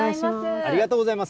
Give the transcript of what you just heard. ありがとうございます。